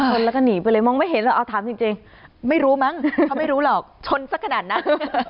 ชนแล้วก็หนีไปเลยมองไม่เห็นหรอกเอาถามจริงไม่รู้มั้งเขาไม่รู้หรอกชนสักขนาดนั้น